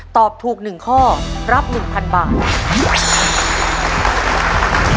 ตอบถูก๑ข้อรับ๑๐๐๐บาท